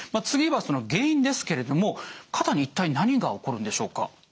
次は原因ですけれども肩に一体何が起こるんでしょうか？